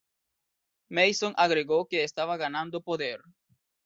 Mason agregó que estaba ganando poder.